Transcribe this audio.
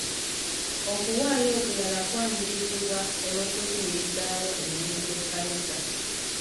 Okuwaayo okulala kwanirizibwa olw'okuyimirizaawo emirimu gy'ekkanisa.